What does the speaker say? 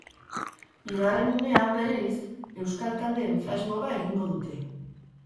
Bigarren gunea, berriz, euskal taldeen flashmoba egingo dute.